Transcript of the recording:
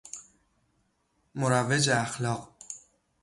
مروج اخلاق